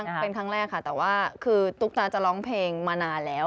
เป็นครั้งแรกค่ะแต่ว่าคือตุ๊กตาจะร้องเพลงมานานแล้ว